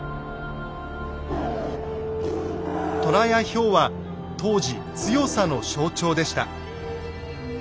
虎やヒョウは当時強さの象徴でした。